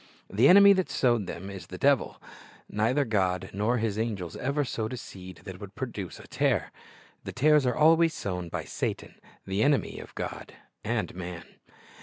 "The enemy that sowed them is the devil." Neither God nor His angels ever sowed a seed that would produce a tare. The tares are always sown by Satan, the enemy of God and man.